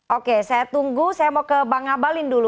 oke saya tunggu saya mau ke bang abalin dulu